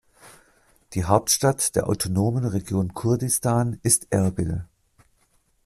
Die Hauptstadt der autonomen Region Kurdistan ist Erbil.